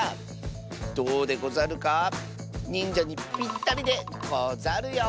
どうでござるか？にんじゃにぴったりでござるよ。